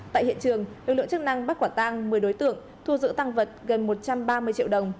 tại hiện trường lực lượng chức năng bắt quả tăng một mươi đối tượng thu giữ tăng vật gần một trăm ba mươi triệu đồng